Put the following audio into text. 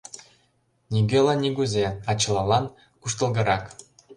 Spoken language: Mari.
Нигӧлан нигузе, а чылалан куштылгырак...